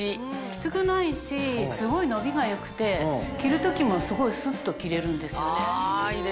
きつくないしすごい伸びが良くて着る時もすごいスッと着れるんですよね。